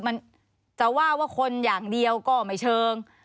มันจะว่าว่าคนอย่างเดียวก็ไม่เชิง